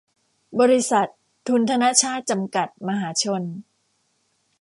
บริษัท ทุนธนชาต จำกัด มหาชน